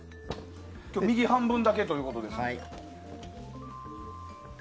今日は右半分だけということです。